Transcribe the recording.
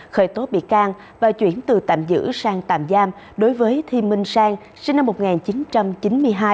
khởi tố bị can và chuyển từ tạm giữ sang tạm giam đối với thi minh sang sinh năm một nghìn chín trăm chín mươi hai